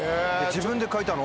自分で書いたの？